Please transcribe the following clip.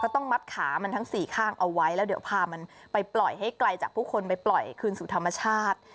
ต้องมัดขามันทั้งสี่ข้างเอาไว้แล้วเดี๋ยวพามันไปปล่อยให้ไกลจากผู้คนไปปล่อยคืนสู่ธรรมชาติ